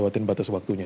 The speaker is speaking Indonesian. lewatin batas waktunya